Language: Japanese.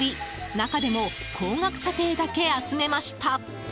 中でも、高額査定だけ集めました。